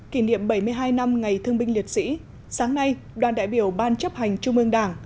kỷ niệm bảy mươi hai năm ngày thương binh liệt sĩ sáng nay đoàn đại biểu ban chấp hành trung ương đảng